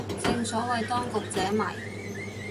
正所謂當局者迷